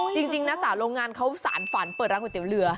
จริงนะสาวโรงงานเขาสารฝันเปิดร้านก๋วยเตี๋ยวเรือ